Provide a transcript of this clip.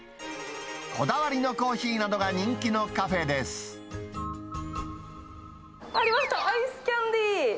こだわりのコーヒーなどが人気のありました、アイスキャンディー。